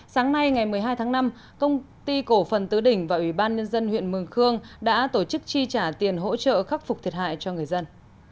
sáng nay ngày một mươi hai tháng năm công ty cổ phần tứ đỉnh và ủy ban nhân dân huyện mường khương đã tổ chức chi trả tiền hỗ trợ khắc phục thiệt hại cho người dân